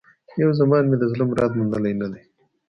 یو زمان مي د زړه مراد موندلی نه دی